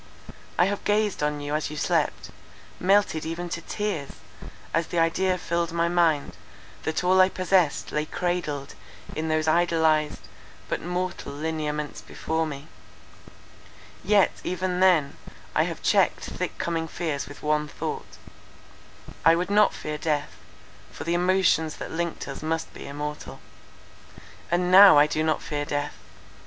I have gazed on you as you slept, melted even to tears, as the idea filled my mind, that all I possessed lay cradled in those idolized, but mortal lineaments before me. Yet, even then, I have checked thick coming fears with one thought; I would not fear death, for the emotions that linked us must be immortal. "And now I do not fear death.